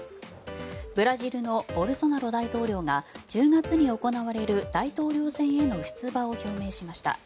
ブラジルのボルソナロ大統領が１０月に行われる大統領選への出馬を表明しました。